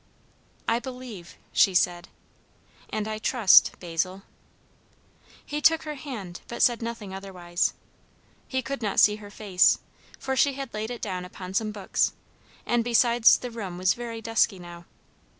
"I believe," she said. "And I trust, Basil." He took her hand, but said nothing otherwise. He could not see her face, for she had laid it down upon some books, and besides the room was very dusky now.